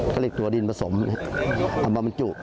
ก็เรียกตัวดินผสมเอามาบรรจุ